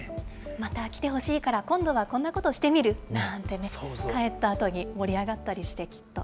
また来てほしいから、今度はこんなことしてみるなんてね、帰ったあとに盛り上がったりして、きっと。